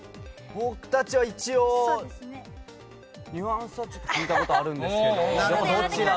僕たちは一応、ニュアンスは聞いたことあります。